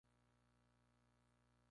La procesión del Rocío Op.